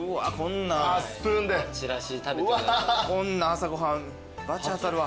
こんな朝ご飯罰当たるわ。